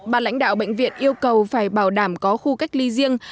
bàn lãnh đạo bệnh viện yêu cầu phải bảo đảm có khu cách ly riêng